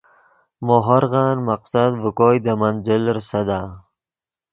مو ہورغن مقصد ڤے کوئے دے منزل ریسدا